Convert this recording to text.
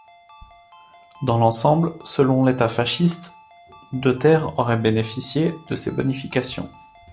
Dans l'ensemble, selon l'État fasciste de terres aurait bénéficié de ces bonifications.